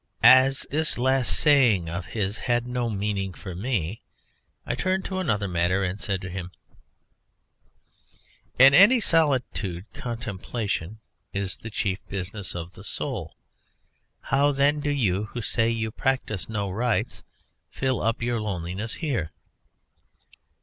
As this last saying of his had no meaning for me I turned to another matter and said to him: "In any solitude contemplation is the chief business of the soul. How, then, do you, who say you practise no rites, fill up your loneliness here?"